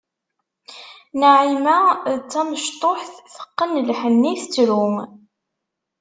Naɛima d tamecṭuḥt, teqqen lḥenni, tettru.